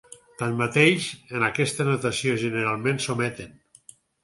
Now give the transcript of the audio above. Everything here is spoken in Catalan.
Tanmateix, en aquesta notació generalment s'ometen.